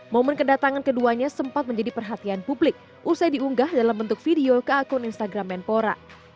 momen kedatangan keduanya sempat menjadi perhatian publik usai diunggah dalam bentuk video ke akun instagram menpora